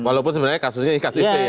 walaupun sebenarnya kasusnya iktp ya